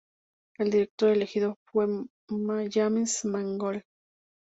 El director elegido fue James Mangold.